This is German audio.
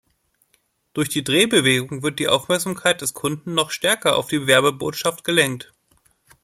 Durch die Drehbewegung wird die Aufmerksamkeit des Kunden noch stärker auf die Werbebotschaft gelenkt.